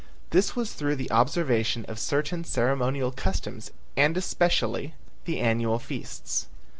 This was through the observation of certain ceremonial customs and especially the great annual feasts.